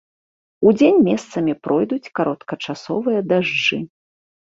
Удзень месцамі пройдуць кароткачасовыя дажджы.